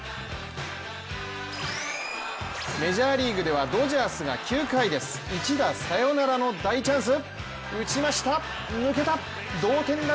メジャーリーグではドジャースが９回です一打サヨナラの大チャンス。